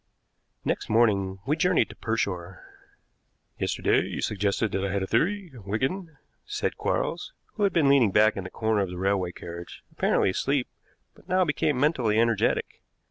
Next morning we journeyed to Pershore. "Yesterday you suggested that I had a theory, Wigan," said Quarles, who had been leaning back in the corner of the railway carriage apparently asleep, but now became mentally energetic.